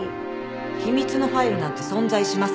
秘密のファイルなんて存在しません。